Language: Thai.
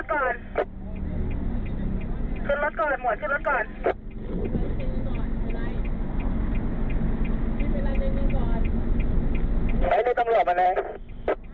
ขึ้นรถก่อนหมวนเข้ารถก่อน